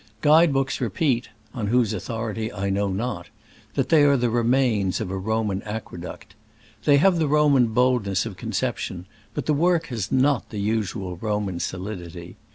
Guide books repeat — on whose authority I know not — that they are the remains of a Roman aqueduct. They have the Roman boldness of con ception, but the work has not the usual Roman solidity.